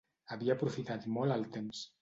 Havia aprofitat molt el temps.